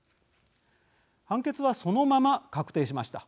判決は、そのまま確定しました。